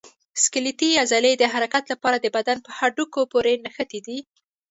سکلیټي عضلې د حرکت لپاره د بدن په هډوکو پورې نښتي دي.